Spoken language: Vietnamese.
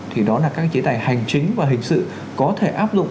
thì đó là các chế tài hành chính và hình sự có thể áp dụng